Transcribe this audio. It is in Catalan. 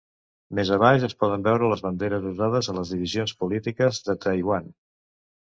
Més abaix es poden veure les banderes usades a les divisions polítiques de Taiwan.